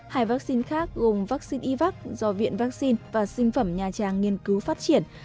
hai vaccine khác gồm vaccine ivac do viện vaccine và sinh phẩm nhà trang nghiên cứu phát triển